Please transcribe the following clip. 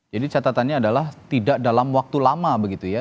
jadi catatannya adalah tidak dalam waktu lama begitu ya